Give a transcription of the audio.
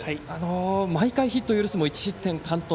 毎回ヒットを許すも１失点、完投。